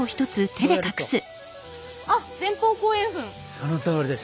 そのとおりです。